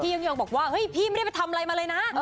ยังยองบอกว่าเฮ้ยพี่ไม่ได้ไปทำอะไรมาเลยนะ